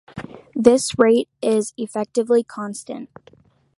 This rate is effectively constant.